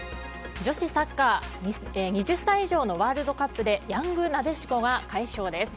女子サッカー２０歳以上のワールドカップでヤングなでしこが快勝です。